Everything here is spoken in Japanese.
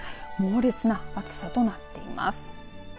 猛烈な暑さとなっています。